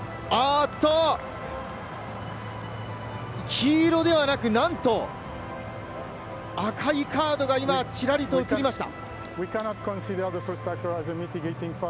黄色ではなく、なんと赤いカードが今、チラリと映りました。